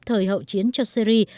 thời hậu chiến cho syri